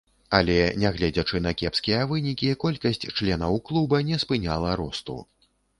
Але нягледзячы на кепскія вынікі, колькасць членаў клуба не спыняла росту.